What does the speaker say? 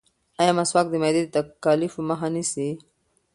ایا مسواک د معدې د تکالیفو مخه نیسي؟